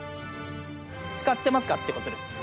使ってますか？ってことです。